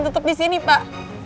tetap disini pak